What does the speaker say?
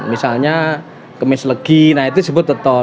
misalnya kemis legi nah itu disebut beton